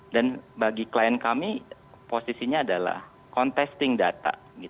bagi klien kami posisinya adalah contesting data